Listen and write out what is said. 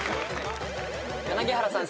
柳原さん